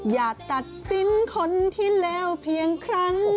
อย่าตัดสินคนที่แล้วเพียงครั้ง